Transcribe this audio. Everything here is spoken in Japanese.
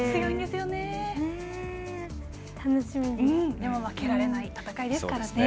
でも負けられない戦いですからね。